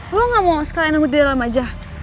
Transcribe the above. lo gak mau sekalian nunggu di dalam aja